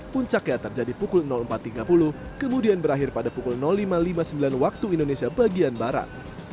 puncaknya terjadi pukul empat tiga puluh kemudian berakhir pada pukul lima lima puluh sembilan waktu indonesia bagian barat